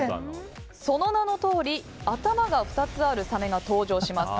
その名のとおり頭が２つあるサメが登場します。